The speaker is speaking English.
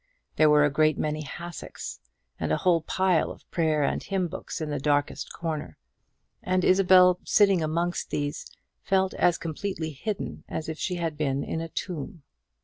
There were a great many hassocks, and a whole pile of prayer and hymn books in the darkest corner; and Isabel, sitting amongst these, felt as completely hidden as if she had been in a tomb.